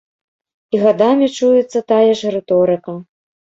І гадамі чуецца тая ж рыторыка.